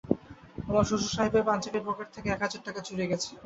আমার শ্বশুরসাহেবের পাঞ্জাবির পকেট থেকে এক হাজার টাকা চুরি গেছে।